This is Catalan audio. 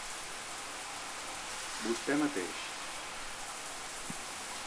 Vostè mateix.